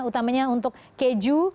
utamanya untuk keju